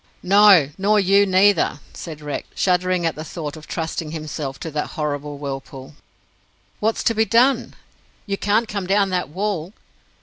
"No, nor you neither," said Rex, shuddering at the thought of trusting himself to that horrible whirlpool. "What's to be done? You can't come down that wall."